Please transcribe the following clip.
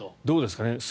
どうですかね。